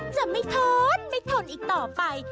จะไม่ทนไม่ทนอีกต่อไป